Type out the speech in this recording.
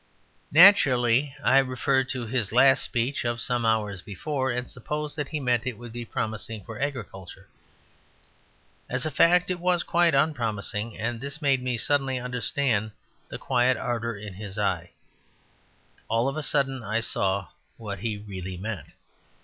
Naturally I referred to his last speech of some hours before; and supposed he meant that it would be promising for agriculture. As a fact, it was quite unpromising; and this made me suddenly understand the quiet ardour in his eye. All of a sudden I saw what he really meant.